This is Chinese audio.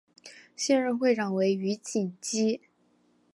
现任会长为余锦基。